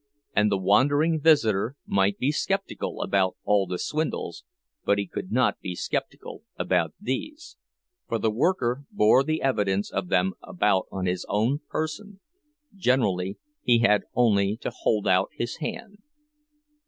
And the wandering visitor might be skeptical about all the swindles, but he could not be skeptical about these, for the worker bore the evidence of them about on his own person—generally he had only to hold out his hand.